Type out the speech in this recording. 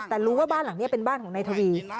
แต่รู้ว่าบ้านหลังนี้เป็นบ้านของนายทวี